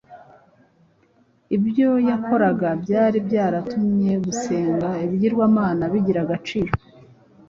Ibyo yakoraga byari byaratumye gusenga ibigirwamana bigira agaciro.